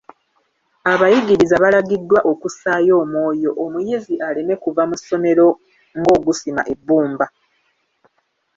Abayigiriza balagiddwa okussayo omwoyo omuyizi aleme kuva mu ssomero ng'ogusima ebbumba.